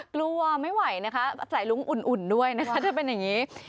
กลัวไม่ไหวนะคะใส่ลุงอุ่นด้วยนะคะถ้าเป็นอย่างนี้